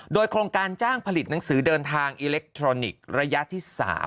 โดยโครงการจ้างผลิตหนังสือเดินทางอิเล็กทรอนิกส์ระยะที่๓